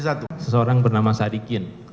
seseorang bernama sadikin